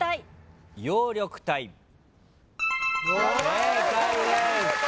正解です。